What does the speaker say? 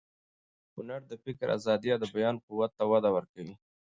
هنر د فکر ازادي او د بیان قوت ته وده ورکوي.